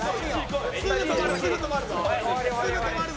すぐ止まる。